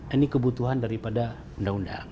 ini kebutuhan daripada undang undang